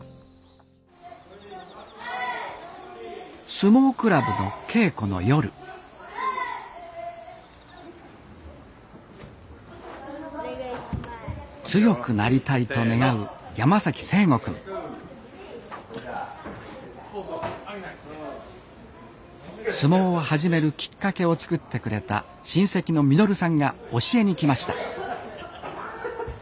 相撲クラブの稽古の夜強くなりたいと願う山崎誠心くん相撲を始めるきっかけを作ってくれた親戚の稔さんが教えに来ました